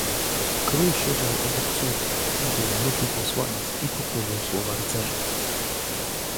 "Król siedział obok córki, gdy wrócił posłaniec i powtórzył słowa rycerza."